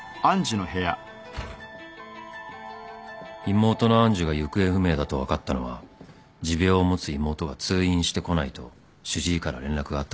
［妹の愛珠が行方不明だと分かったのは持病を持つ妹が通院してこないと主治医から連絡があったからだ］